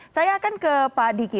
saya akan ke pak diki